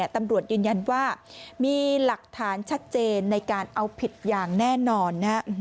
ตำรวจยืนยันว่ามีหลักฐานชัดเจนในการเอาผิดอย่างแน่นอน